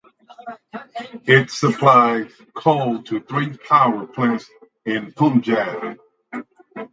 It supplies coal to three power pants in Punjab.